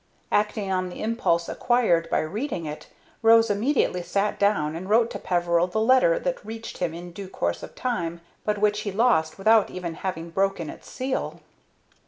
Acting on the impulse acquired by reading it, Rose immediately sat down and wrote to Peveril the letter that reached him in due course of time, but which he lost without even having broken its seal.